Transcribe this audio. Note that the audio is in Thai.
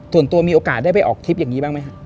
ส่วนตัวมีโอกาสได้ไปออกทริปอย่างนี้บ้างไหมครับ